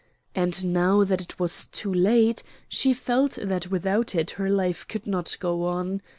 And now that it was too late she felt that without it her life could not go on.